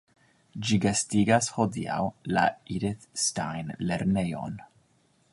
Ĝi gastigas hodiaŭ la Edith-Stein-lernejon.